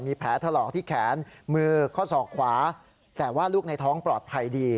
มีแผลถลอกที่แขนมือข้อศอกขวาแต่ว่าลูกในท้องปลอดภัยดี